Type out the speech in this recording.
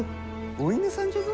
お犬さんじゃぞ。